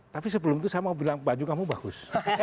tapi sebelum itu saya mau bilang baju kamu bagus